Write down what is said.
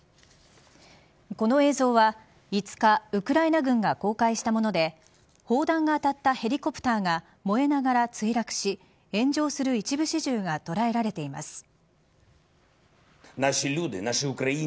この映像は５日ウクライナ軍が公開したもので砲弾が当たったヘリコプターが燃えながら墜落し炎上する一部始終が捉えられています。